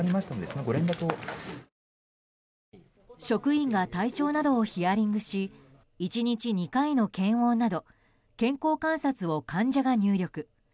職員が体調などをヒアリングし１日２回の検温など健康観察を患者が入力。